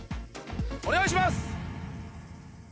お願いします！